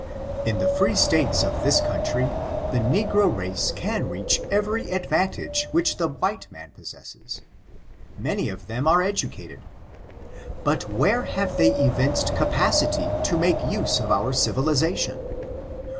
In the free Statea of thia country, the negro race can readi every advantage which the white man poasesses. Many of them are educated. But where have they evinced capacity to make nse of our civilization